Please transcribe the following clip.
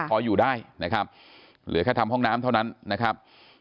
พออยู่ได้นะครับเหลือแค่ทำห้องน้ำเท่านั้นนะครับ